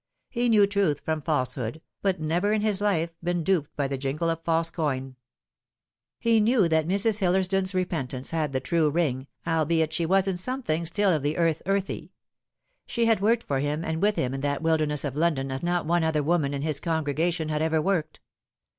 He knew truth from falsehood, had never in his life been duped by the jingle of false coin. He knew that Mrs. Hillersdon's repentance had the true ring, albeit she was in some things still of the earth earthy. She had worked for him and with him in that; wilderness of London as not one other woman in his congregation had ever worked.